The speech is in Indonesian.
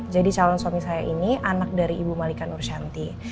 jadi calon suami saya ini anak dari ibu malika nur syanti